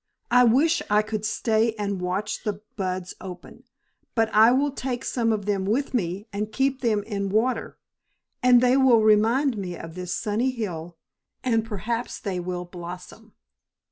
"I wish I could stay and watch the buds open, but I will take some of them with me and keep them in water, and they will remind me of this sunny hill, and perhaps they will blossom."